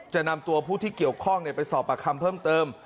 จะนำตัวผู้ที่เกี่ยวข้องไปสอบประคำเพิ่มเติม